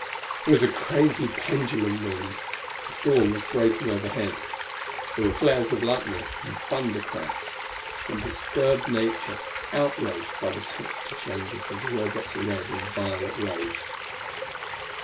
It was a crazy pendulum wind. A storm was breaking overhead. There were flares of lightning and thunder cracks from disturbed nature, outraged by the temperature changes of the Robot's red and violet rays.